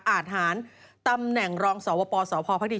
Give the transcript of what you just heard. อาธหารตำแหน่งรองเสาร์วปเสาร์ภภที่